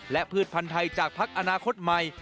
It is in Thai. และพืชพันธ์ไทยจากพักอนาคตใหม่